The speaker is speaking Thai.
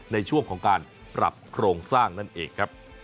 ในช่วงของการปรับโครงสร้างนั่นเองครับ